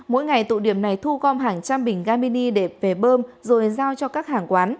mỗi ngày tụ điểm này thu gom hàng trăm bình ga mini để về bơm rồi giao cho các hàng quán